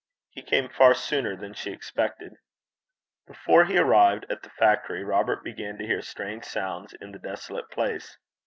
He came far sooner than she expected. Before he arrived at the factory, Robert began to hear strange sounds in the desolate place.